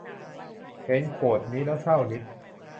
เห็นโควตนี้แล้วเศร้านิด